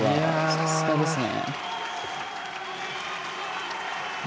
さすがですね。